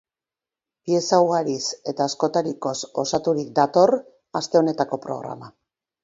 Pieza ugariz eta askotarikoz osaturik dator aste honetako programa.